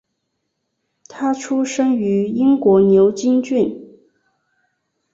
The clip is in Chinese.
他出生于英国牛津郡。